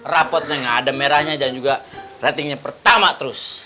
rapotnya nggak ada merahnya dan juga ratingnya pertama terus